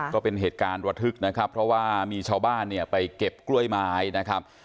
ก็เป็นเหตุการณ์ระทึกนะครับเพราะว่ามีชาวบ้านเนี่ยไปเก็บกล้วยไม้นะครับ